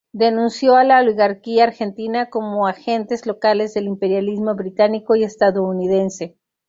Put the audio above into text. Denunció a la oligarquía argentina como agentes locales del imperialismo británico y estadounidense.